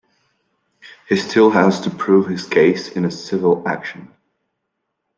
He still has to prove his case in a civil action.